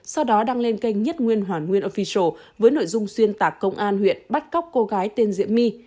sau đó đăng lên kênh nhất nguyên hoàng nguyên official với nội dung xuyên tạc công an huyện bắt cóc cô gái tên diễm my